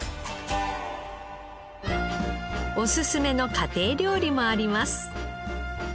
おすすめの家庭料理もあります。